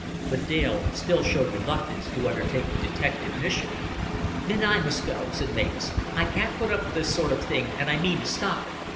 But Dale still showed reluctance to undertake the detective mission. "Then I must go," said Mavis. "I can't put up with this sort of thing, and I mean to stop it.